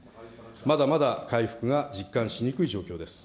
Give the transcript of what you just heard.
まだまだ回復が実感しにくい状況です。